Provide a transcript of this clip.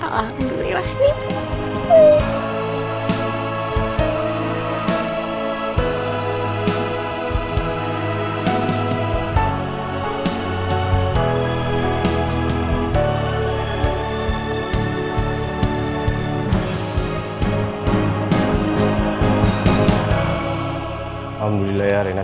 kangen banget sama rena